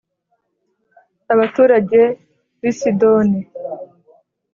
Abaturage bi i Sidoni